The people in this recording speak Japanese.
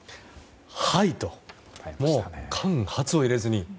はいと間髪を入れずに。